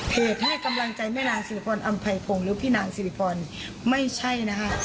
เหตุให้กำลังใจแม่นางสิริพรอำไพพงศ์หรือพี่นางสิริพรไม่ใช่นะคะ